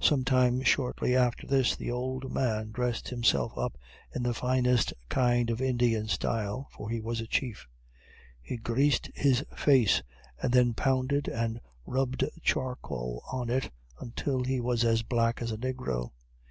Some time shortly after this the old man dressed himself up in the finest kind of Indian style, for he was a Chief. He greased his face, and then pounded and rubbed charcoal on it until he was as black as a negro.